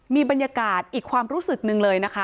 มีบรรยากาศอีกความรู้สึกหนึ่งเลยนะคะ